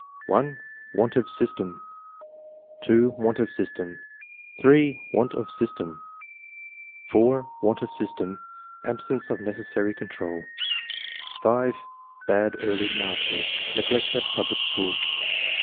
(1) " Want of system. a (2) "Want of system." (3) "Want of system." (4) " Want of system ; absence of necessary control" (5) " Bad early masters ; neglect at public school."